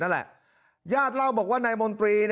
นั่นแหละญาติเล่าบอกว่านายมนตรี